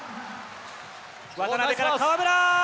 渡邊から河村。